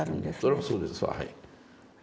それはそうですわはい。